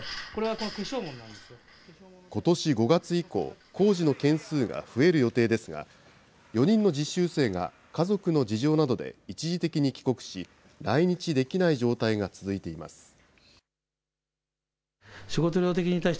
ことし５月以降、工事の件数が増える予定ですが、４人の実習生が家族の事情などで一時的に帰国し、来日できない状態が続いています。